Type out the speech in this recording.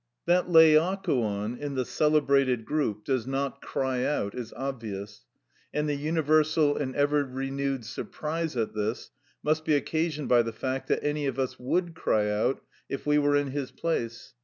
That Laocoon, in the celebrated group, does not cry out is obvious, and the universal and ever renewed surprise at this must be occasioned by the fact that any of us would cry out if we were in his place.